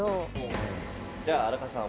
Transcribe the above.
じゃあ荒川さん